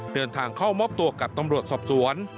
เดินทางเข้ามอบตัวกับตำรวจสอบสวน